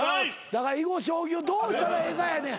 囲碁将棋をどうしたらええかやねん。